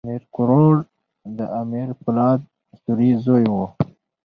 امیر کروړ د امیر پولاد سوري زوی وو.